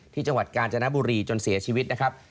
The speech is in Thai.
จังหวัดกาญจนบุรีจนเสียชีวิตนะครับ